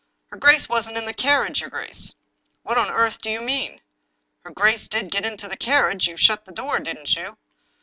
" Her grace wasn't in the carriage, your grace." " What on earth do you mean? "" Her grace did get into the carriage; you shut the door, didn't you?"